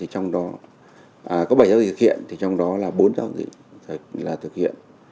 trong đó có bảy giao dịch thực hiện trong đó là bốn giao dịch thực hiện